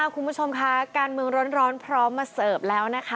คุณผู้ชมคะการเมืองร้อนพร้อมมาเสิร์ฟแล้วนะคะ